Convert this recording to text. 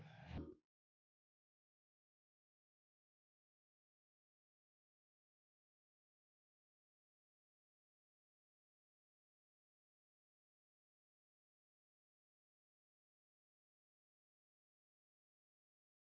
tidak ada yang bisa dihukum